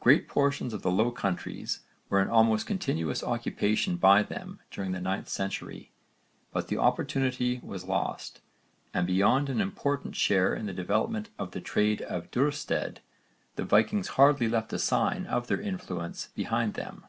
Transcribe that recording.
Great portions of the Low Countries were in almost continuous occupation by them during the 9th century, but the opportunity was lost, and beyond an important share in the development of the trade of Duurstede, the Vikings hardly left a sign of their influence behind them.